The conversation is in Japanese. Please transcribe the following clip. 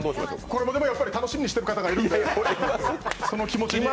これもでも、楽しみにしている方がいるので、その気持ちに。